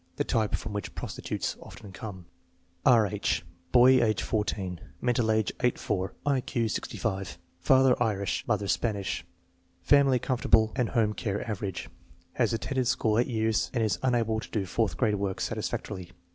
The type from which prostitutes often come. R. H. Boy, age 14; mental age 8 4; I Q 65. Father Irish, mother Spanish. Family comfortable and home care average. Has at tended school eight years and is unable to do fourth grade work satisfactorily.